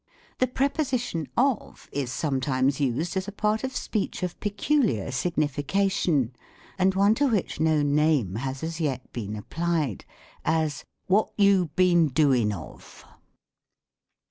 The preposition of is sometimes used as a part of speech of peculiar signification, and one to which no name has as yet been applied : as, " What you been doing of?"